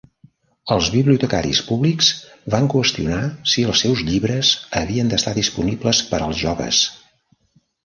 Els bibliotecaris públics van qüestionar si els seus llibres havien d'estar disponibles per als joves.